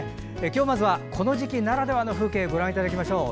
まずは、この季節ならではの風景ご覧いただきましょう。